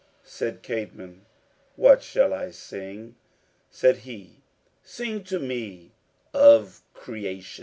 Said Cædmon, "What shall I sing?" Said he, "Sing to me of creation."